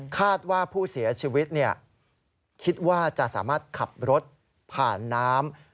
คาดว่าผู้เสียชีวิตคิดว่าจะสามารถขับรถผ่านน้ำ